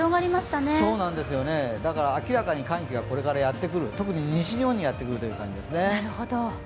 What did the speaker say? だから、明らかに寒気がこれからやってくる特に西日本にやってくるという感じですね。